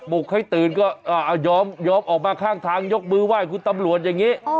กให้ตื่นก็ยอมออกมาข้างทางยกมือไหว้คุณตำรวจอย่างนี้